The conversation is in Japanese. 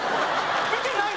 見てないの？